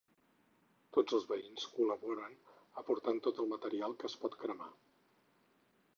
Tots els veïns col·laboren aportant tot el material que es pot cremar.